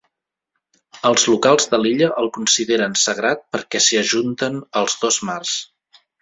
Els locals de l'illa el consideren sagrat perquè s'hi ajunten els dos mars.